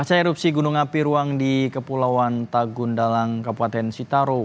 pasca erupsi gunung api ruang di kepulauan tagun dalam kabupaten sitaro